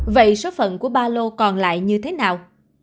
vậy số phận của ba lô còn lại như thế nào